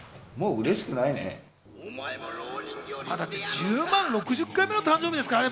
１０万６０回目の誕生日ですからね。